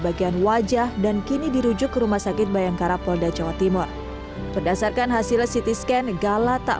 bagian wajah dan kini dirujuk ke rumah sakit bayangkara polda jawa timur berdasarkan hasil ct scan gala tak